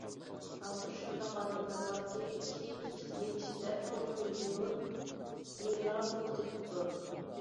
ھازىر شۇنداق ئادەملەر باركى، كېيىنكى ئىككى يىل ئىچىدە ئون مىليون لىرا پۇل تېپىپتۇ.